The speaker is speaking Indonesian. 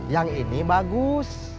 yang ini bagus